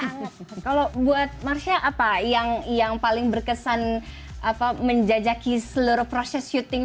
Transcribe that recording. nah kalau buat marsha apa yang yang paling berkesan apa menjajaki seluruh proses syuting